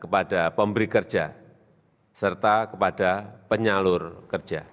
pemberi kerja serta penyalur kerja